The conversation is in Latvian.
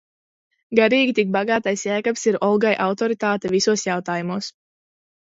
Garīgi tik bagātais Jēkabs ir Olgai autoritāte visos jautājumos.